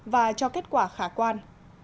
và cho kết quả khả quan